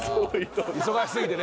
忙し過ぎてね。